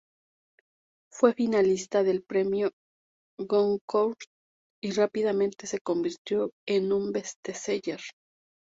Fue finalista del Premio Goncourt y rápidamente se convirtió en un "bestseller".